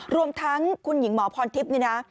รวมทั้งคุณหญิงหมอพรทิพย์นี่นะ